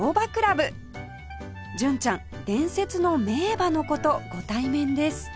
純ちゃん伝説の名馬の子とご対面です